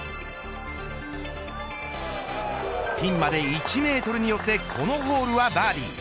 ピンまで１メートルに寄せこのホールはバーディー。